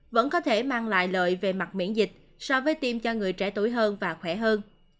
vẫn có thể mang lại lợi về mặt miễn dịch so với tiêm cho người trẻ tuổi hơn và khỏe hơn